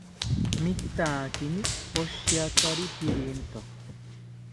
Mitaakimi poshiakari pirinto